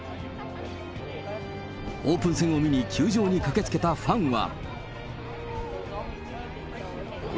オープン戦を見に球場に駆けつけたファンは。